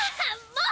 もう！